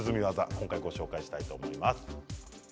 今回ご紹介したいと思います。